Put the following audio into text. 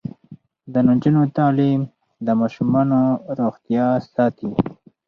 د نجونو تعلیم د ماشومانو روغتیا ساتي.